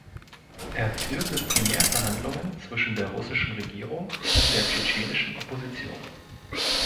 Er führte Primärverhandlungen zwischen der russischen Regierung und der tschetschenischen Opposition.